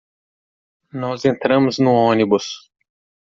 Nós entramos no ônibus